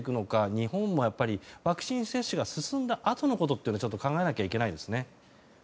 日本もワクチン接種が進んだあとのことを考えなきゃいけないですね。